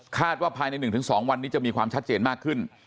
ว่าภายใน๑๒วันนี้จะมีความชัดเจนมากขึ้น